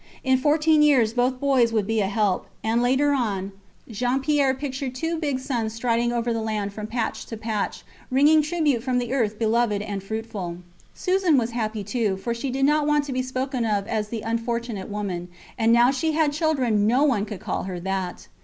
In fourteen years both boys would be a help; and, later on, Jean Pierre pictured two big sons striding over the land from patch to patch, wringing tribute from the earth beloved and fruitful. Susan was happy too, for she did not want to be spoken of as the unfortunate woman, and now she had children no one could call her that.